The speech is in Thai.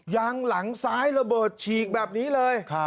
หลังซ้ายระเบิดฉีกแบบนี้เลย